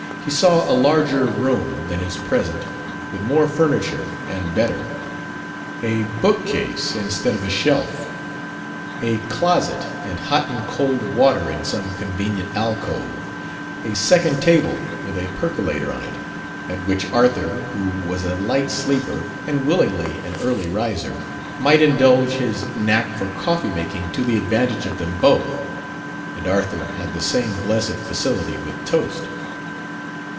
He saw a larger room than his present, with more furniture and better; a bookcase instead of a shelf; a closet, and hot and cold water in some convenient alcove; a second table, with a percolator on it, at which Arthur, who was a light sleeper and willingly an early riser, might indulge his knack for coffee making to the advantage of them both. And Arthur had the same blessed facility with toast.